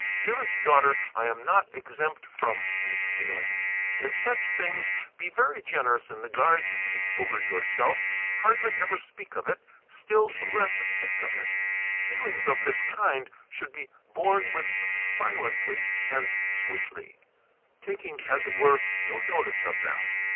dearest daughter, I am not exempt from these feelings. In such things be very generous in the guard you keep over yourself; hardly ever speak of it, still less think of it: feelings of this kind should be borne with silently and sweetly, taking, as it were, no notice of them.